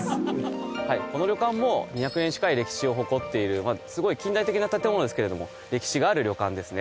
はいこの旅館も２００年近い歴史を誇っているすごい近代的な建物ですけれども歴史がある旅館ですね